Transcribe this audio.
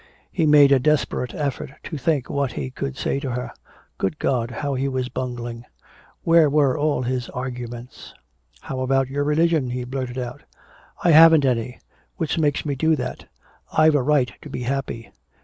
He made a desperate effort to think what he could say to her. Good God, how he was bungling! Where were all his arguments? "How about your religion?" he blurted out. "I haven't any which makes me do that I've a right to be happy!"